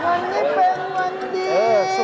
วันนี้เป็นวันดี